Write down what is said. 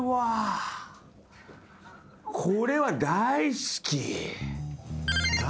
これは。大好き？